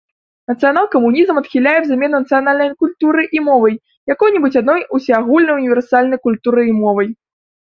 Нацыянал-камунізм адхіляе замену нацыянальнай культуры і мовы якой-небудзь адной усеагульнай універсальнай культурай і мовай.